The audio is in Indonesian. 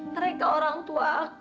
mereka orang tua aku kak